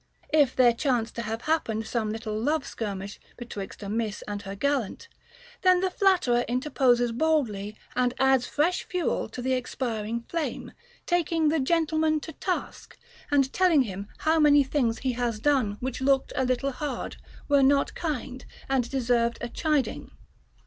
If there chance to have happened some little love skirmish betwixt a miss and her gallant, then the flat terer interposes boldly and adds fresh fuel to the expiring flame, taking the gentleman to task, and telling him how many things he has done which looked a little hard, were not kind, and deserved a chiding.